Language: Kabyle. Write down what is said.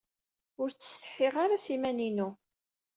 Ur ttsetḥiɣ ara s yiman-inu.